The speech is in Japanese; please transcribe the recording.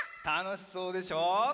たのしそうでしょう？